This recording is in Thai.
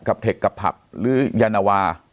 กับเทคกับผักหรือยะหนาวา